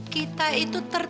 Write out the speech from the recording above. kita itu terlalu